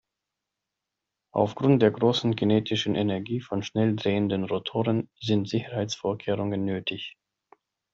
Aufgrund der großen kinetischen Energie von schnell drehenden Rotoren sind Sicherheitsvorkehrungen nötig.